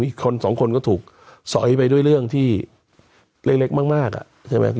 อีกคนสองคนก็ถูกสอยไปด้วยเรื่องที่เล็กมากอ่ะใช่ไหม